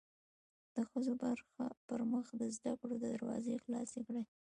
د ښځو پرمخ د زده کړو دروازې خلاصې کړی